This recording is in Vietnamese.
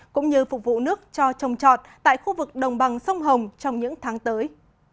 cũng như phục vụ nước cho trồng trọt tại khu vực đồng bằng sông hồng trong những tháng tới